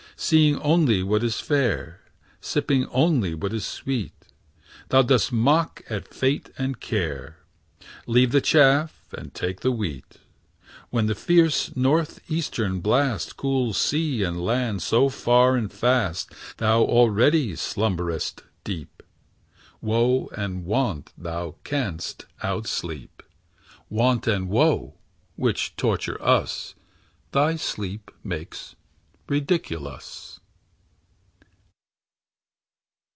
Seeing only what is fair, Sipping only what is sweet, Thou dost mock at fate and care, Leave the chaff, and take the wheat. When the fierce northwestern blast Cools sea and land so far and fast, Thou already slumberest deep; Woe and want thou canst outsleep; Want and woe, which torture us, Thy sleep makes ridiculous.